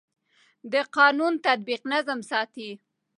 د قانون تطبیق نظم ساتي